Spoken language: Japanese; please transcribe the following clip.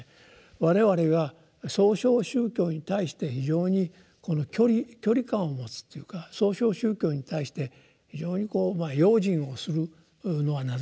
我々が「創唱宗教」に対して非常に距離感を持つというか「創唱宗教」に対して非常にこう用心をするのはなぜなのかという。